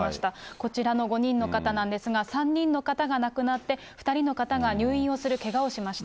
こちらの５人の方なんですが、３人の方が亡くなって、２人の方が入院をするけがをしました。